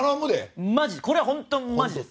これは本当にマジです。